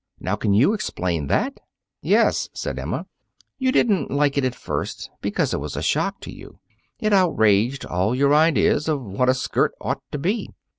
Now, can you explain that?" "Yes," said Emma; "you didn't like it at first because it was a shock to you. It outraged all your ideas of what a skirt ought to be.